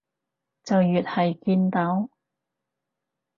就越係見到